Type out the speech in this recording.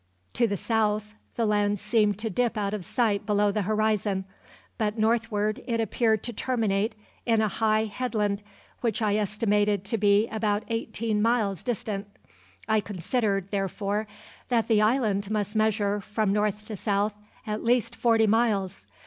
To the south the land seemed to dip out of sight below the horizon, but northward it appeared to terminate in a high headland which I estimated to be about eighteen miles distant; I considered, therefore, that the island must measure, from north to south, at least forty miles.